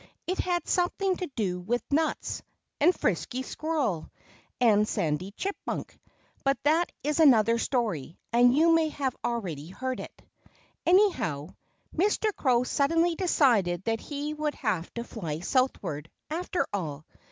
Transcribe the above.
It had something to do with nuts, and Frisky Squirrel, and Sandy Chipmunk. But that is another story; and you may already have heard it. Anyhow, Mr. Crow suddenly decided that he would have to fly southward, after all.